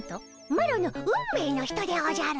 マロの運命の人でおじゃる。